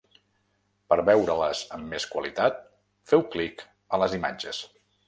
Per veure-les amb més qualitat feu clic a les imatges.